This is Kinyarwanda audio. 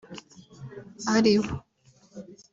ari bo